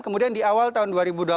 kemudian di awal tahun dua ribu dua puluh